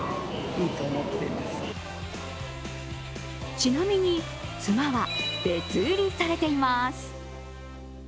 ちなみに、つまは別売りされています。